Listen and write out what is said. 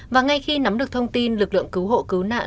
và ngay khi nắm được thông tin lực lượng cứu hộ cứu nạn